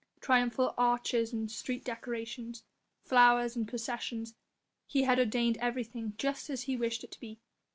Triumphal arches and street decorations, flowers and processions, he had ordained everything just as he wished it to be.